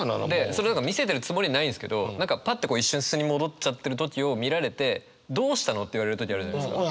それを見せてるつもりないんですけど何かパッと一瞬素に戻っちゃってる時を見られて「どうしたの？」って言われる時あるじゃないですか。